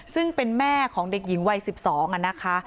ซึ่งเป็นแม่ของเด็กหญิงวัย๑๒นะคะ